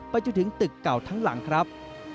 จนถึงตึกเก่าทั้งหลังครับ